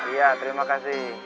iya terima kasih